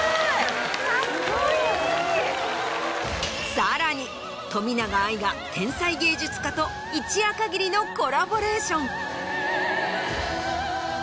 さらに冨永愛が天才芸術家と一夜限りのコラボレーション。